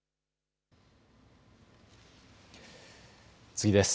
次です。